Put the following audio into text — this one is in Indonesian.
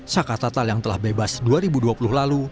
saka tatal yang telah bebas dua ribu dua puluh lalu